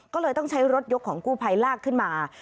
ก็เลยต้องใช้รถยกของกู้ภัยลากขึ้นมา